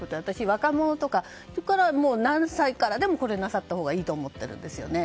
若者とか、何歳からでもこれはなさったほうがいいと思っているんですよね。